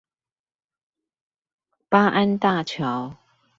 八安大橋